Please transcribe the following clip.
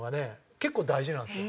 結構大事なんですよ。